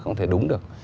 không thể đúng được